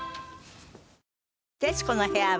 『徹子の部屋』は